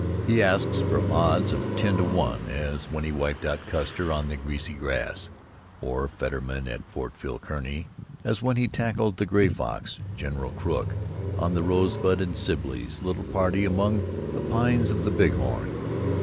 He asks for odds of ten to one, as when he wiped out Custer on the "Greasy Grass," or Fetteman at Fort Phil Kearny, as when he tackled the Gray Fox, General Crook on the Rosebud, and Sibley's little party among the pines of the Big Horn.